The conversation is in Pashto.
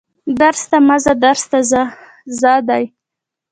درس ته مه ځه درس ته ځه دي